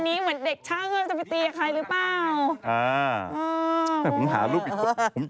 อันนี้เหมือนเด็กช่างจะไปตีกับใครหรือเปล่า